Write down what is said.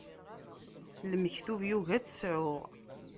Lmektub yugi ad tt-sɛuɣ.